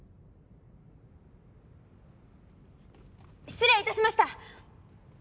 失礼致しました！